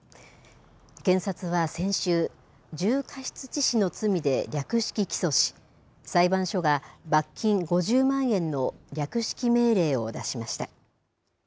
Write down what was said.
検察は先週、重過失致死の罪で略式起訴し、裁判所が罰金５０万円の略式命令を出しました。